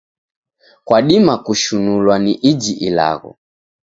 Kwadima kushinulwa ni iji ilagho.